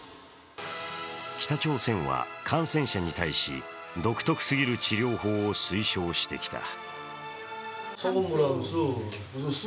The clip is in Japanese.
北朝鮮は感染者に対し独特すぎる治療法を推奨してきた。